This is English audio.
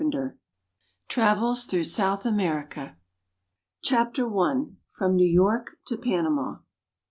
343 TRAVELS THROUGH SOUTH AMERICA. 3>»I<: I. FROM NEW YORK TO PANAMA.